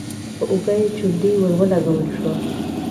په اوږه يې چونډۍ ور ولګول شوه: